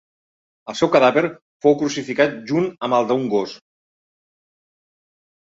El seu cadàver fou crucificat junt amb el d'un gos.